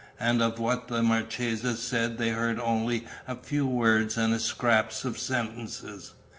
And of what the marchesa said they heard only a few words and scraps of sentences.